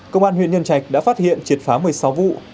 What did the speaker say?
công an huyện nhân trạch đã phát hiện triệt phá một mươi sáu vụ